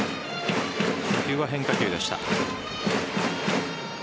初球は変化球でした。